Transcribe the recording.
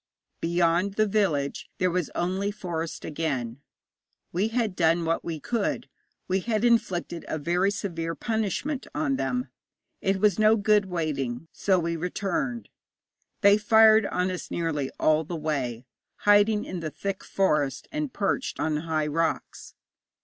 Beyond the village there was only forest again. We had done what we could: we had inflicted a very severe punishment on them; it was no good waiting, so we returned. They fired on us nearly all the way, hiding in the thick forest, and perched on high rocks.